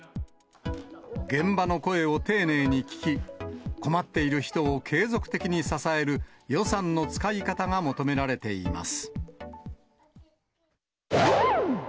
現場の声を丁寧に聞き、困っている人を継続的に支える、予算の使い方が求められています。